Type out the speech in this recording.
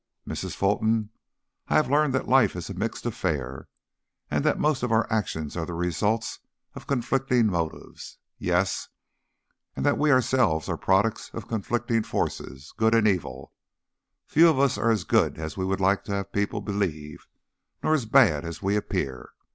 "Mrs. Fulton, I have learned that life is a mixed affair, and that most of our actions are the results of conflicting motives. Yes, and that we ourselves are products of conflicting forces, good and evil. Few of us are as good as we would like to have people believe nor as bad as we appear.